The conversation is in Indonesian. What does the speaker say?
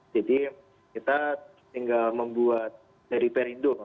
jadi kita tinggal membuat dari perindu